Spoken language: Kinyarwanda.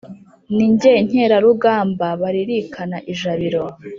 Ni jye nkerarugamba balirikana ijabiro.